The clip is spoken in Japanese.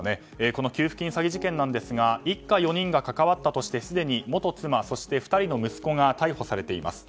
この給付金詐欺事件ですが一家４人が関わったとしてすでに元妻そして２人の息子が逮捕されています。